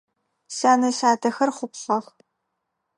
Сянэ-сятэхэр хъупхъэх.